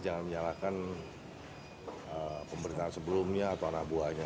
jangan menyalahkan pemerintahan sebelumnya atau anak buahnya